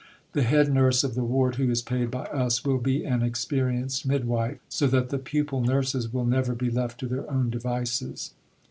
The Head Nurse of the Ward, who is paid by us, will be an experienced midwife, so that the pupil Nurses will never be left to their own devices.